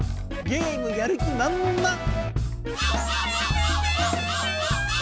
ゲームやる気まんまん！